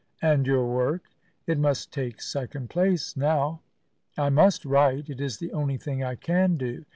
"And your work?" "It must take second place now. I must write; it is the only thing I can do.